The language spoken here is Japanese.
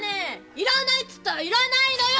いらないっつったらいらないのよ！